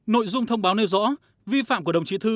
nội dung thông báo nêu rõ vi phạm của đồng chí thư